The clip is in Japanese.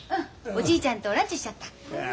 おじいちゃんとランチしちゃった。